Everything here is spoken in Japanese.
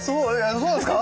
そうなんですか？